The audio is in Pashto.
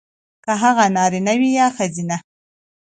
کـه هغـه نـاريـنه وي يـا ښـځيـنه .